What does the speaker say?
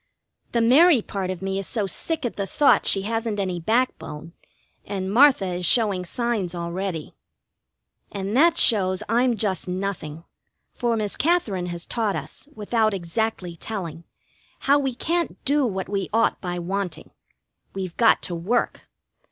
The Mary part of me is so sick at the thought she hasn't any backbone, and Martha is showing signs already. And that shows I'm just nothing, for Miss Katherine has taught us, without exactly telling, how we can't do what we ought by wanting. We've got to work.